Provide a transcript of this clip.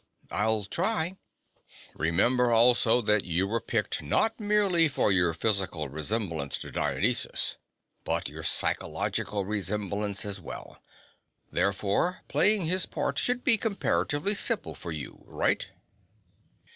"I'll try." "Remember, also, that you were picked not merely for your physical resemblance to Dionysus, but your psychological resemblance as well. Therefore, playing his part should be comparatively simple for you. Right?"